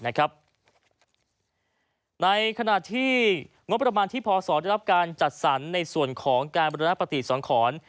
ในขณะที่งบประมาณที่พศได้รับการจัดสรรในส่วนของการบรรณปฏิสังขร